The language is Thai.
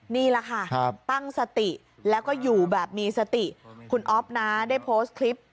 นี่แหละค่ะตั้งสติแล้วก็อยู่แบบมีสติคุณอ๊อฟนะได้โพสต์คลิป